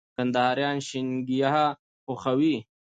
کندهاريان شينګياه خوښوي